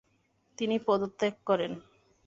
তিনি পদত্যাগ করেন।